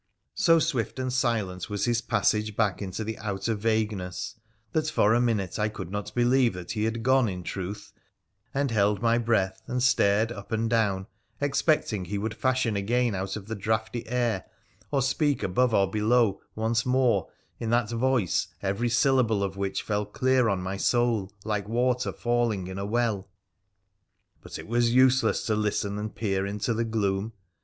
So swift and silent was his passage back into the outer vague ness that for a minute I could not believe he had gone in truth, and held my breath, and stared up and down, expecting he would fashion again out of the draughty air, or speak above or below, once more, in that voice every syllable of which fell clear on my soul, like water falling in a well. But it was useless to listen and peer into the gloom.